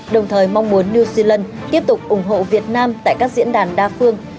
đồng thời mong muốn new zealand tiếp tục ủng hộ việt nam tại các diễn đàn đa phương